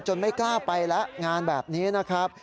ไม่กล้าไปแล้วงานแบบนี้นะครับ